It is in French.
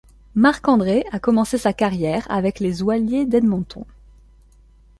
Marc-André a commencé sa carrière avec les Oilers d'Edmonton.